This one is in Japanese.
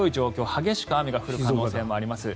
激しく雨が降る可能性もあります。